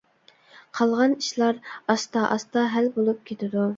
قالغان ئىشلار ئاستا-ئاستا ھەل بولۇپ كېتىدۇ.